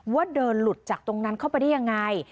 ว่าเดินหลุดจากตรงนั้นเข้าไปได้ยังไง